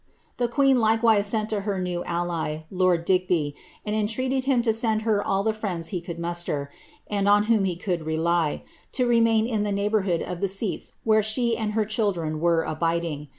The queen likewise sent to find her new ally, lord Digby, and entreated him to send her all the friends he could muster, and on whom he could rely, to remain in the neighbour hood of the seats where she and her children were abiding.